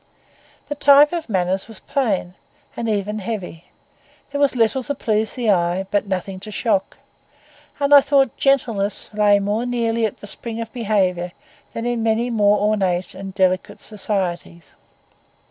The type of manners was plain, and even heavy; there was little to please the eye, but nothing to shock; and I thought gentleness lay more nearly at the spring of behaviour than in many more ornate and delicate societies.